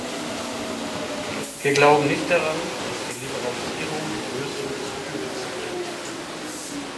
Wir glauben nicht daran, dass die Liberalisierung die Lösung des Übels bringt.